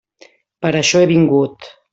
Per això he vingut.